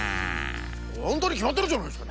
ほんとにきまってるじゃないですか！